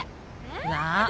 なあ。